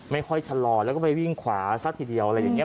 ไม่ค่อยชะลอแล้วก็ไปวิ่งขวาซะทีเดียวอะไรอย่างนี้